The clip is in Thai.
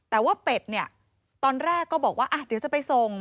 แต่ว่าเป็ดเนี่ยตอนแรกก็บอกว่าเดี๋ยวจะไปส่ง